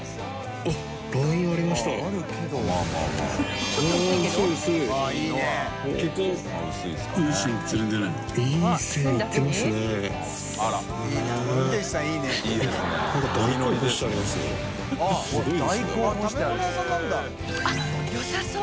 あっよさそう。